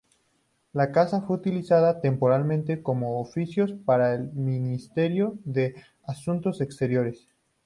La casa fue utilizada temporalmente como oficinas para el Ministerio de Asuntos Exteriores.